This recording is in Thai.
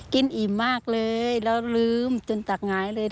อิ่มมากเลยแล้วลืมจนตักหงายเลย